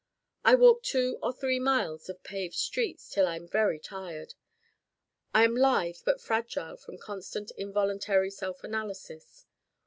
I walk two or three miles of paved streets till I'm very tired. I am lithe but fragile from constant involuntary self analysis.